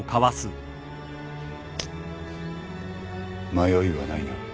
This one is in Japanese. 迷いはないな。